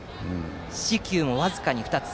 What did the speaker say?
四死球も僅かに２つ。